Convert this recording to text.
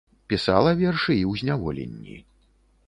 Пісала вершы і ў зняволенні.